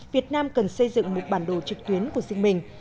việt nam cần xây dựng một bản đồ trực tuyến của riêng mình